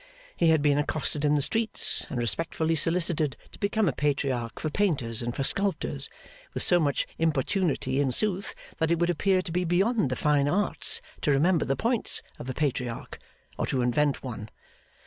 He had been accosted in the streets, and respectfully solicited to become a Patriarch for painters and for sculptors; with so much importunity, in sooth, that it would appear to be beyond the Fine Arts to remember the points of a Patriarch, or to invent one.